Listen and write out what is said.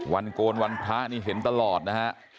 วันโกลวันพระเห็นตลอดนะครับ